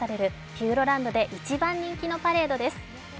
ピューランドで一番人気のパレードです。